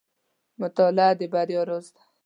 • مطالعه د بریا راز دی.